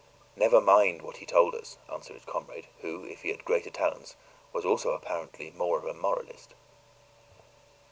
"Never mind what he told us!" answered his comrade, who, if he had greater talents, was also apparently more of a moralist.